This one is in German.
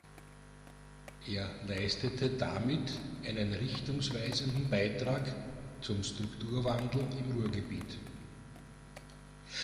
Er leistete damit einen richtungsweisenden Beitrag zum Strukturwandel im Ruhrgebiet.